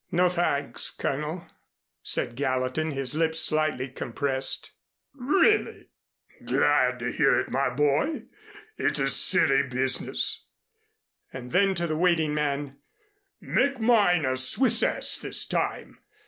"No, thanks, Colonel," said Gallatin, his lips slightly compressed. "Really! Glad to hear it, my boy. It's a silly business." And then to the waiting man: "Make mine a Swissesse this time.